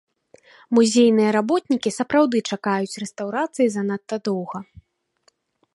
Музейныя работнікі сапраўды чакаюць рэстаўрацыі занадта доўга.